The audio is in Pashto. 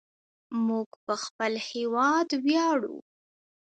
موږ په خپل هیواد ویاړو.